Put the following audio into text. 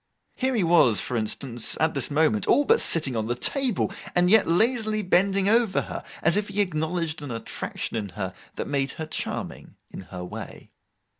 Here he was, for instance, at this moment, all but sitting on the table, and yet lazily bending over her, as if he acknowledged an attraction in her that made her charming—in her way.